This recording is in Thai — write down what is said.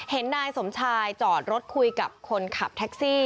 เห็นนายสมชายจอดรถคุยกับคนขับแท็กซี่